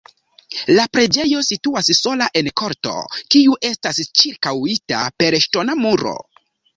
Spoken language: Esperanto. La preĝejo situas sola en korto, kiu estas ĉirkaŭita per ŝtona muro.